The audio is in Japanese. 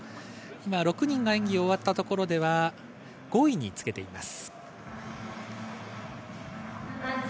６人が演技を終わったところでは５位につけています。